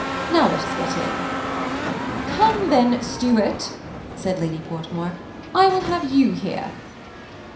Now, let us get in." " Come then, Stuart," said Ladj Portmore ;" I will have you here."